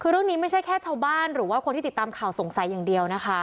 คือเรื่องนี้ไม่ใช่แค่ชาวบ้านหรือว่าคนที่ติดตามข่าวสงสัยอย่างเดียวนะคะ